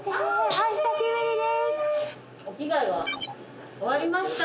お久しぶりです！